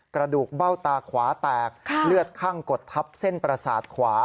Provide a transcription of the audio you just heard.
กระดูกเบ้าตาขวาแตกเลือดข้างกดทับเส้นประสาทขวา